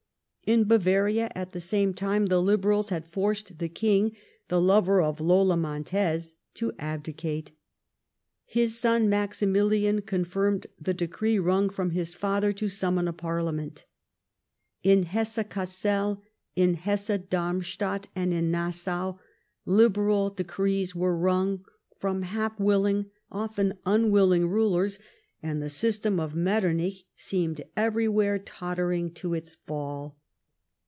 In Bavaria, at the same time, the Liberals had forced the King , the lover of Lola jMontez, to abdicate, llis son, Maximilian, confirmed the decree wrung from his father to summon a parliament. In Hesse Cassel, in Ilesse Darmstadt, and in Nassau, Liberal decrees were wrung from half willing, often unwilling, rulers, and the system of Metternich seemed everywhere tottering to its fall.